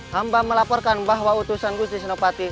hamba melaporkan bahwa utusan gusti senopati